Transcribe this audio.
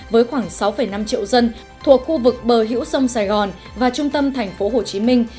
với khoảng sáu năm triệu dân thuộc khu vực bờ hữu sông sài gòn và trung tâm thành phố hồ chí minh